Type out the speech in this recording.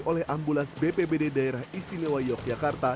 oleh ambulans bpbd daerah istimewa yogyakarta